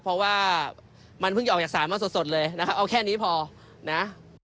เพราะว่ามันเพิ่งจะออกจากศาลมาสดเลยนะครับเอาแค่นี้พอนะ